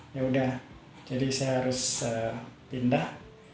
ya udah jadi saya harus pindah